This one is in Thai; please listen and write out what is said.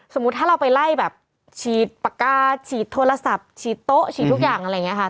สมมุติถ้าเราไปไล่แบบฉีดปากกาฉีดโทรศัพท์ฉีดโต๊ะฉีดทุกอย่างอะไรอย่างนี้ค่ะ